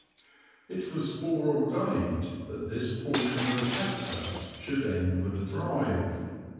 It was fore ordained that this portion of a chapter should end with a drive.